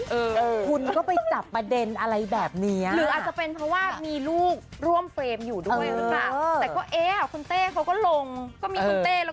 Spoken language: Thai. หรืออาจจะเป็นเพราะว่ามีลูกร่วมเฟลมอยู่ด้วย